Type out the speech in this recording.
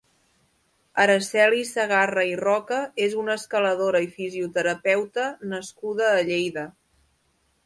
Araceli Segarra i Roca és una escaladora i fisioterapeuta nascuda a Lleida.